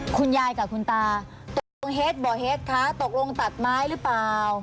คุณยายกับคุณตาตกลงเฮ็ดบ่อเฮ็ดคะตกลงตัดไม้หรือเปล่า